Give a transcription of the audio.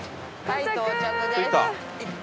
はい到着です。